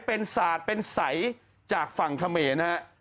เป็นศาสตร์เป็นสัยจากฝั่งเขมรนะครับ